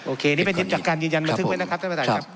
โอเคนี่เป็นจากการยืนยันมาถึงไว้นะครับ